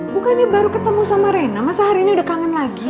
bukannya baru ketemu sama reina masa hari ini udah kangen lagi